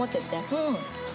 うん。